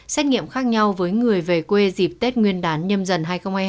xét nghiệm khác nhau với người về quê dịp tết nguyên đán nhâm dần hai nghìn hai mươi